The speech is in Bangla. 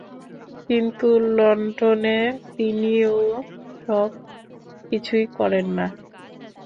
কিন্তু লণ্ডনে তিনি ও-সব কিছুই করেন না।